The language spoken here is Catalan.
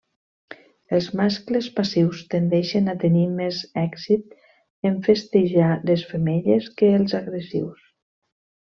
Els mascles passius tendeixen a tenir més èxit en festejar les femelles que els agressius.